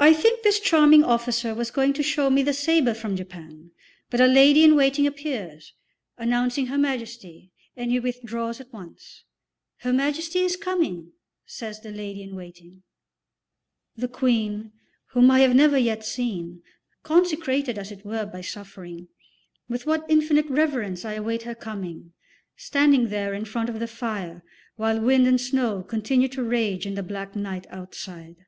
I think this charming officer was going to show me the sabre from Japan, but a lady in waiting appears, announcing Her Majesty, and he withdraws at once. "Her Majesty is coming," says the lady in waiting. The Queen, whom I have never yet seen, consecrated as it were by suffering, with what infinite reverence I await her coming, standing there in front of the fire while wind and snow continue to rage in the black night outside.